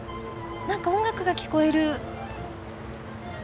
何か音楽が聞こえる。